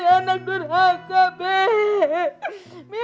mila gak pernah lihat sama mama